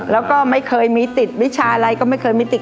แล้วก็ไม่เคยมีติดวิชาอะไรก็ไม่เคยมีติด